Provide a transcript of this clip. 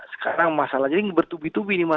sekarang masalahnya ini bertubi tubi